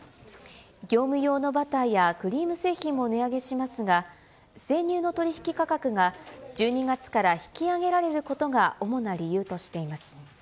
業務用のバターやクリーム製品も値上げしますが、生乳の取り引き価格が１２月から引き上げられることが主な理由としています。